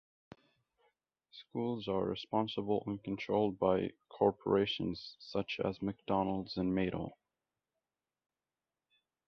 Schools are sponsored and controlled by corporations, such as McDonald's and Mattel.